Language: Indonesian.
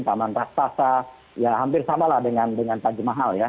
taman rastasa ya hampir sama lah dengan tajamahal ya